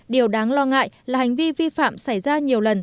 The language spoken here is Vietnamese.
điều đáng lo ngại là hành vi vi phạm xảy ra nhiều lần